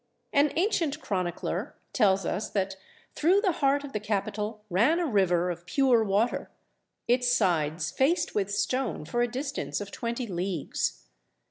An ancient chronicler tells us that " through the heart of the capital ran a river of pure water, its sides faced with stone for a distance of twenty leagues."